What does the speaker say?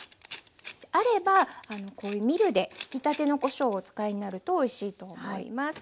あればこういうミルでひきたてのこしょうをお使いになるとおいしいと思います。